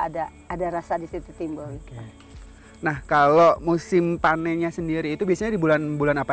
ada ada rasa di situ timbul nah kalau musim panennya sendiri itu biasanya di bulan bulan apa